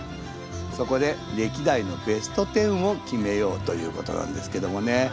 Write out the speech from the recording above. そこで歴代のベスト１０を決めようということなんですけどもね。